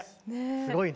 すごいね。